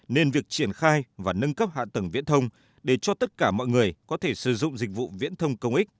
nên việc triển khai và nâng cấp hạ tầng viễn thông để cho tất cả mọi người có thể sử dụng dịch vụ viễn thông công ích